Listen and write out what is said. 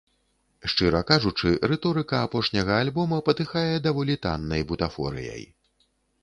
Шчыра кажучы, рыторыка апошняга альбома патыхае даволі таннай бутафорыяй.